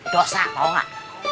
dosa tau gak